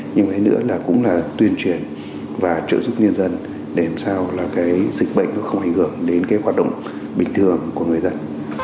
nhưng cái nữa là cũng là tuyên truyền và trợ giúp nhân dân để làm sao là cái dịch bệnh nó không ảnh hưởng đến cái hoạt động bình thường của người dân